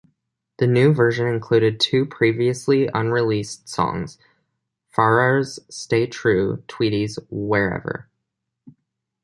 The new version included two previously unreleased songs: Farrar's "Stay True", Tweedy's "Wherever".